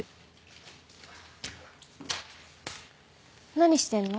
何してるの？